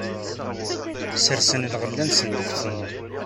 Sersen lɣella-nsen deg utemmu.